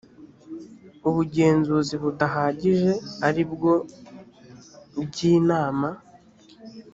ubugenzuzi budahagije ari bwo ry inama